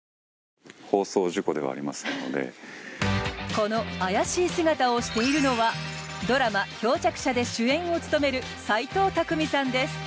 この怪しい姿をしているのはドラマ「漂着者」で主演を務める斎藤工さんです。